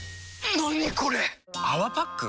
何これ⁉「泡パック」？